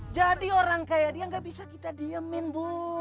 jadi orang kayak dia nggak bisa kita diamin bu